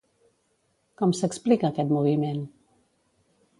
Com s'explica aquest moviment?